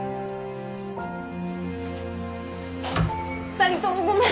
２人ともごめん。